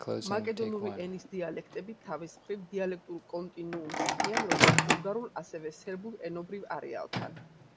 მაკედონური ენის დიალექტები თავის მხრივ დიალექტურ კონტინუუმს ჰქმნიან როგორც ბულგარულ, ასევე სერბულ ენობრივ არეალთან.